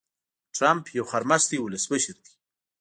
ټرمپ يو خرمستی ولسمشر دي.